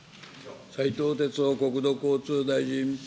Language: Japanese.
斉藤鉄夫国土交通大臣。